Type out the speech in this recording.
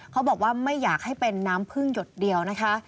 เขาบอกว่าไม่อยากให้เป็นน้ำพึ่งหยดเดียวนะคะ